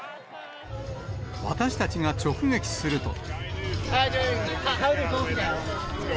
私たちが直撃すると。